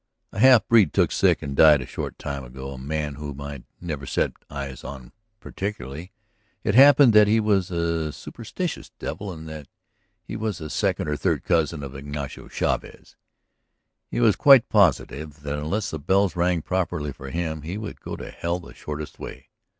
"A half breed took sick and died a short time ago, a man whom I'd never set my eyes on particularly. It happened that he was a superstitious devil and that he was a second or third cousin of Ignacio Chavez. He was quite positive that unless the bells rang properly for him he would go to hell the shortest way.